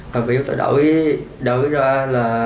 và biểu tỏ đổi ra là